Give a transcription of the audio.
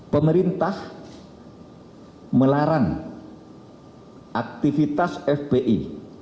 pemerintah melarang aktivitas fpi